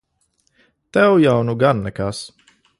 Tev jau nu gan nekas!